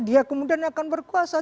dia kemudian akan berkuasa